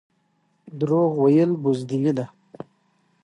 دروغ ویل بزدلي ده